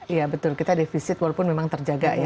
iya betul kita defisit walaupun memang terjaga ya